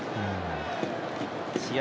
試合